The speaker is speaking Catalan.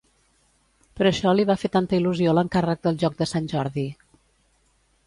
Per això li va fer tanta il·lusió l'encàrrec del joc de Sant Jordi.